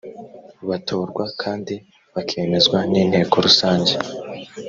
batorwa kandi bakemezwa n’inteko rusange